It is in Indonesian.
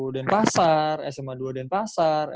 denpasar sma dua denpasar